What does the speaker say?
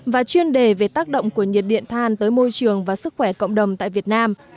và chuyên đề về tác động của nhiệt điện than tới môi trường và sức khỏe cộng đồng tại việt nam